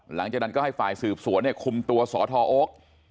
หลังจากนั้นก็ให้ฝ่ายสืบสวนเนี่ยคุมตัวสทโอ๊ค